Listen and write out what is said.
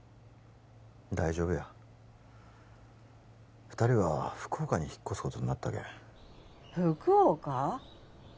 大丈夫や二人は福岡に引っ越すことになったけん福岡？